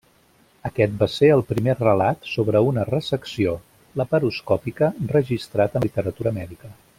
Aquest va ser el primer relat sobre una resecció laparoscòpica registrat en la literatura mèdica.